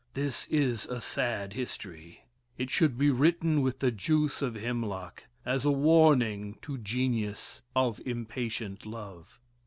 This is a sad history. It should be written with the juice of hemlock, as a warning to Genius of impatient love.